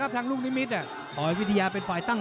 หรือว่าผู้สุดท้ายมีสิงคลอยวิทยาหมูสะพานใหม่